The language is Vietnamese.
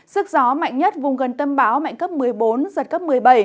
sức gió mạnh nhất vùng gần tâm bão mạnh cấp một mươi bốn giật cấp một mươi bảy